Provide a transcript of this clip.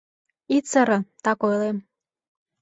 Ит сыре, так ойлем.